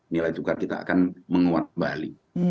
nilai tukar kita akan menguatmbah